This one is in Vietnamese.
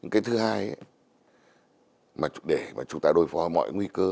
cái thứ hai để chúng ta đối phó mọi nguy cơ